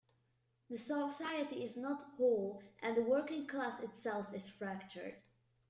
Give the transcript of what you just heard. The society is not whole and the working class itself is fractured.